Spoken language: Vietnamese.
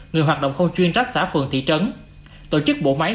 người hoạt động không chuyên trách xã phường thị trấn tổ chức bộ máy